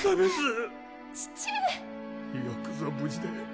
よくぞ無事で。